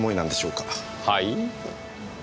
はい？